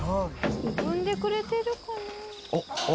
産んでくれてるかな？